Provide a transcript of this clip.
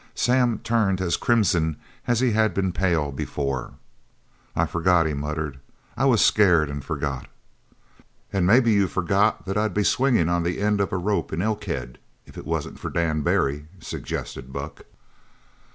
Sam turned as crimson as he had been pale before. "I forgot," he muttered. "I was scared an' forgot!" "An' maybe you've forgot that I'd be swingin' on the end of a rope in Elkhead if it wasn't for Dan Barry?" suggested Buck.